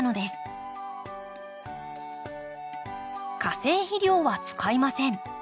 化成肥料は使いません。